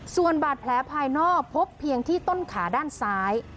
ส่วนบาดแผลภายนอกพบเพียงที่ต้นขาด้านซ้าย